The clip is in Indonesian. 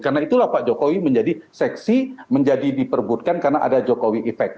karena itulah pak jokowi menjadi seksi menjadi diperbutkan karena ada jokowi effect